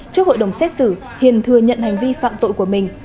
trước hội đồng xét xử hiền thừa nhận hành vi phạm tội của mình